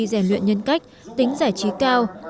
rèn luyện nhân cách tính giải trí cao